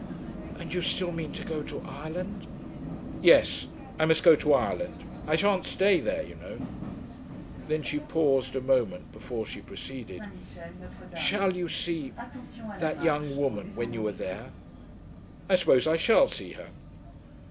"And you still mean to go to Ireland?" "Yes; I must go to Ireland. I shan't stay there, you know." Then she paused a moment before she proceeded. "Shall you see that young woman when you are there?" "I suppose I shall see her."